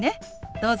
どうぞ。